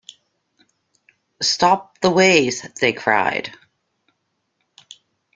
“Stop the ways,” they cried.